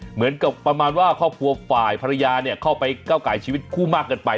เหมือนกับประมาณว่าครอบครัวฝ่ายภรรยาเนี่ยเข้าไปก้าวไก่ชีวิตคู่มากเกินไป